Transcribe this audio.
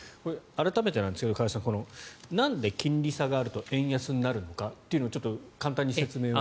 改めてですが、加谷さんなんで金利差があると円安になるのかというのを簡単に説明を。